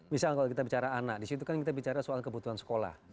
misal kalau kita bicara anak disitu kan kita bicara soal kebutuhan sekolah